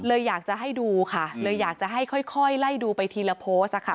อยากจะให้ดูค่ะเลยอยากจะให้ค่อยไล่ดูไปทีละโพสต์ค่ะ